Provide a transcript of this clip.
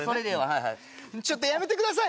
はいはいちょっとやめてください！